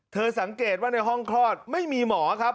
สังเกตว่าในห้องคลอดไม่มีหมอครับ